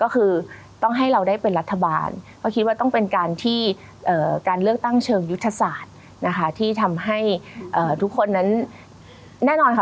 คืออาจารย์ที่ทำให้ทุกคนนั้นแน่นอนค่ะ